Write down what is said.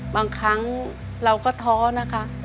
บางครั้งเราก็ท้อนะคะ